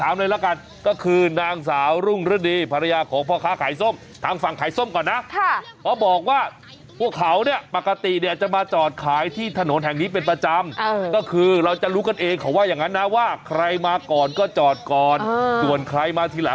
อ้าวแล้วเรื่องมันเป็นอย่างไร